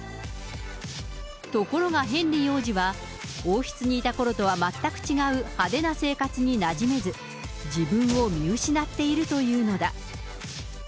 ところがヘンリー王子は、王室にいたころとは全く違う派手な生活になじめず、自分を見失っているというのだ。